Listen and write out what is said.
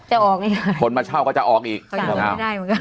จะออกอีกคนมาเช่าก็จะออกอีกไม่ได้เหมือนกัน